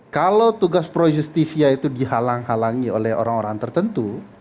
kalau tugas pro justisia itu dihalang halangi oleh orang orang tertentu